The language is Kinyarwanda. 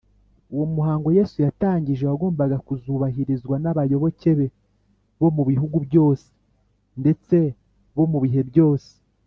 uwo muhango yesu yatangije wagombaga kuzubahirizwa n’abayoboke be bo mu bihugu byose ndetse bo mu bihe byose